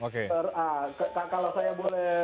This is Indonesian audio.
kalau saya boleh